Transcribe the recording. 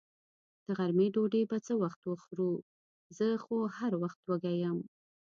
د غرمې ډوډۍ به څه وخت خورو؟ زه خو هر وخت وږې یم.